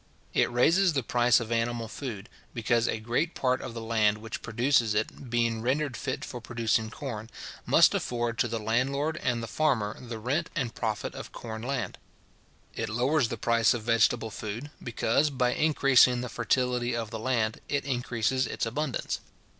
It raises the price of animal food; because a great part of the land which produces it, being rendered fit for producing corn, must afford to the landlord and farmer the rent and profit of corn land. It lowers the price of vegetable food; because, by increasing the fertility of the land, it increases its abundance.